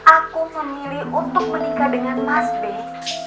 aku memilih untuk menikah dengan mas b